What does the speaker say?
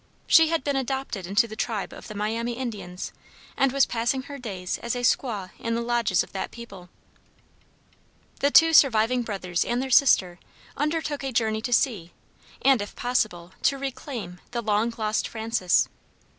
She had been adopted into the tribe of the Miami Indians, and was passing her days as a squaw in the lodges of that people. The two surviving brothers and their sister undertook a journey to see, and if possible, to reclaim, the long lost Frances.